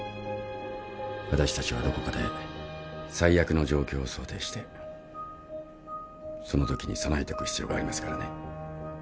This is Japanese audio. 私たちはどこかで最悪の状況を想定してそのときに備えておく必要がありますからね。